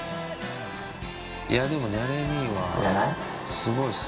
いやでもニャレ兄はすごいですよね。